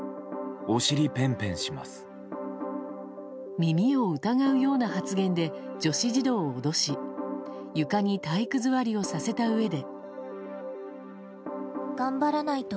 耳を疑うような発言で女子児童を脅し床に体育座りをさせたうえで。